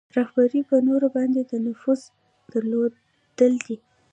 رهبري په نورو باندې د نفوذ درلودل دي.